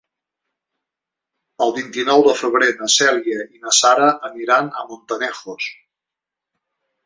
El vint-i-nou de febrer na Cèlia i na Sara aniran a Montanejos.